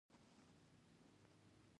ښه کنټرول کوونکی کیدل هم ډیر اړین دی.